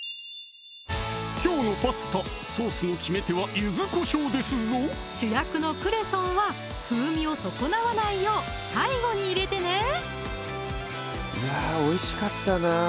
きょうのパスタソースの決め手は柚子こしょうですぞ主役のクレソンは風味を損なわないよう最後に入れてねいやおいしかったなぁ